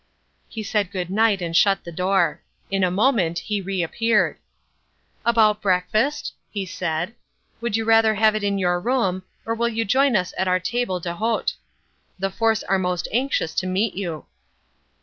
He said good night and shut the door. In a moment he reappeared. "About breakfast?" he said. "Would you rather have it in your room, or will you join us at our table d'hote? The force are most anxious to meet you."